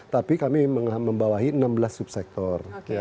tapi kami membawahi enam belas subsektor